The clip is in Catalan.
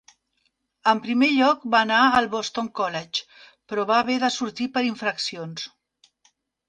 En primer lloc va anar al Boston College, però va haver de sortir per infraccions.